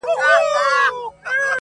نه په ژبه پوهېدله د مېږیانو!!